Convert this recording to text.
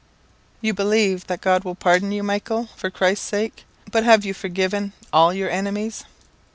"You believe that God will pardon you, Michael, for Christ's sake; but have you forgiven all your enemies?"